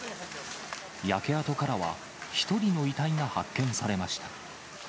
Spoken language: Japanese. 焼け跡からは、１人の遺体が発見されました。